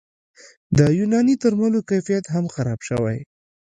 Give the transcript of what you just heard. د یوناني درملو کیفیت هم خراب شوی